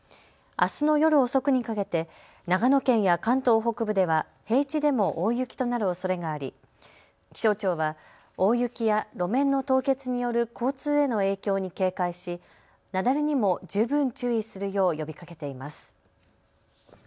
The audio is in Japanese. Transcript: あすの夜遅くにかけて長野県や関東北部では平地でも大雪となるおそれがあり気象庁は大雪や路面の凍結による交通への影響に警戒し、雪崩にも十分注意するよう呼びかけています。